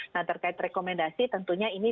nah terkait rekomendasi tentunya ini